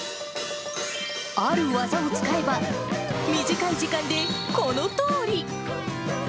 ある技を使えば、短い時間でこのとおり。